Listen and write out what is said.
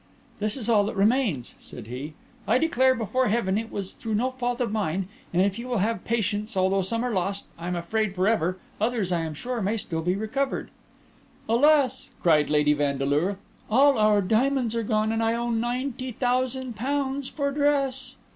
"This is all that remains," said he. "I declare before Heaven it was through no fault of mine; and if you will have patience, although some are lost, I am afraid, for ever, others, I am sure, may be still recovered." "Alas!" cried Lady Vandeleur, "all our diamonds are gone, and I owe ninety thousand pounds for dress!"